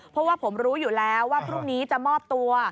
เพราะว่าผมรู้อยู่แล้วว่าพรุ่งนี้จะมอบตัว